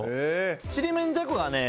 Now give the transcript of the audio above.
ちりめんじゃこがね